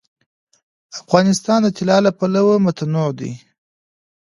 افغانستان د طلا له پلوه متنوع دی.